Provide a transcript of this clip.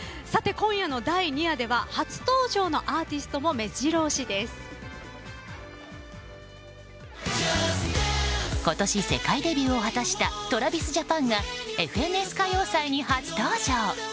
今夜の第２夜では初登場のアーティストも今年、世界デビューを果たしたＴｒａｖｉｓＪａｐａｎが「ＦＮＳ歌謡祭」に初登場。